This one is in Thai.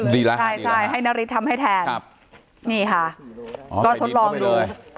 ดีแล้วใช่ให้นาริสทำให้แทนนี่ค่ะก็ทดลองดู